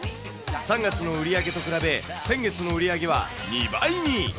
３月の売り上げと比べ、先月の売り上げは２倍に。